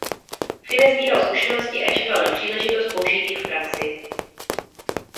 Fine sbíral zkušenosti a čekal na příležitost použít jich v praxi.